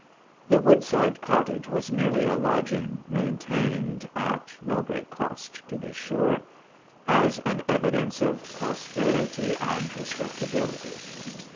The woodside cottage was merely a lodging maintained at no great cost, to be sure as an evidence of prosperity and respectability.